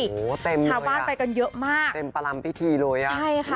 โอ้โหเต็มเลยชาวบ้านไปกันเยอะมากเต็มประลำพิธีเลยอ่ะใช่ค่ะ